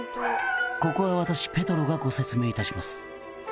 「ここは私ペトロがご説明いたします」